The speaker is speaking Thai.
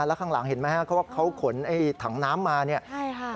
แล้วข้างหลังเห็นไหมฮะเขาว่าเขาขนไอ้ถังน้ำมาเนี่ยใช่ค่ะ